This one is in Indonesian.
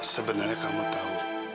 sebenarnya kamu tahu